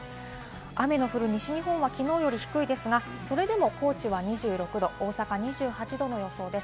雨の降る西日本はきのうより低いですが、それでも高知は２６度、大阪２８度の予想です。